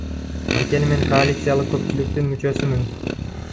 Анткени мен коалициялык көпчүлүктүн мүчөсүмүн.